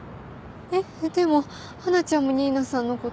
えっでも華ちゃんも新名さんのこと。